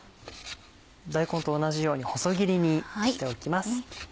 大根と同じように細切りにしておきます。